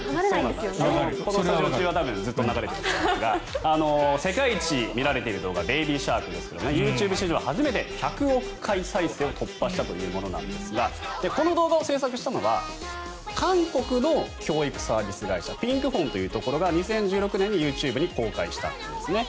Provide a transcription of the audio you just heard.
スタジオでもずっと流れていますが世界一見られている動画「ベイビー・シャーク」ですがＹｏｕＴｕｂｅ史上初めて１００億回再生を突破したんですがこの動画を制作したのは韓国の教育サービス会社ピンクフォンというところが２０１６年にＹｏｕＴｕｂｅに公開したんですね。